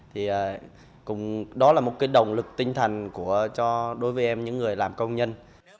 thì đó là một cái động lực tinh thần đối với em những người làm công nhân